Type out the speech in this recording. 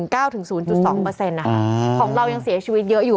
ของเรายังเสียชีวิตเยอะอยู่